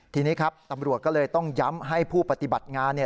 ทีนี้ครับตำรวจก็เลยต้องย้ำให้ผู้ปฏิบัติงานเนี่ย